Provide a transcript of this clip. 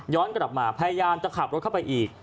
กลับมาพยายามจะขับรถเข้าไปอีก